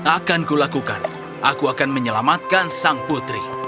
akanku lakukan aku akan menyelamatkan sang putri